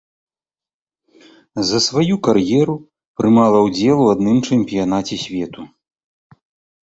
За сваю кар'еру прымала ўдзел у адным чэмпіянаце свету.